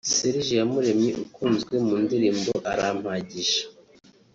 Serge Iyamuremye ukunzwe mu ndirimbo Arampagije